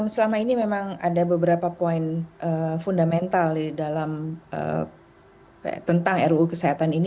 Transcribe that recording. selama ini memang ada beberapa poin fundamental di dalam tentang ruu kesehatan ini